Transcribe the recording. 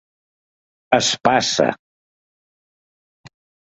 Es passa.